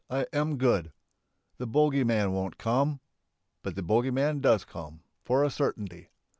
I am good. The bogey man won't come!" But the bogey man does come, for a certainty.